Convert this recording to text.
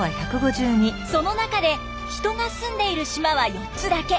その中で人が住んでいる島は４つだけ。